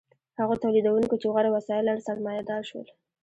هغو تولیدونکو چې غوره وسایل لرل سرمایه دار شول.